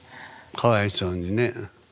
かわいそうにね。